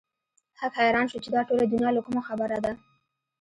هک حيران شو چې دا ټوله دنيا له کومه خبره ده.